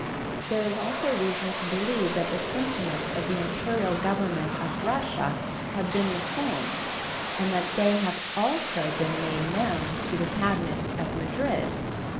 There is also reason to believe that the sentiments of the Imperial Government of Russia have been the same, and that they have also been made known to the cabinet of Madrid.